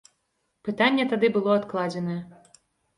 Пытанне тады было адкладзенае.